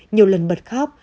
nhiều lần bật khóc